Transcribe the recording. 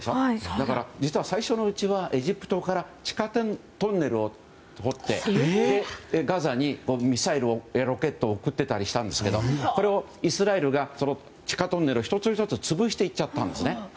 だから、実は最初のうちはエジプトから地下トンネルを掘ってガザにミサイルやロケットを送ってたりしたんですがこれをイスラエルが地下トンネル１つ１つを潰していっちゃったんですね。